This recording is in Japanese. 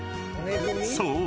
［そう。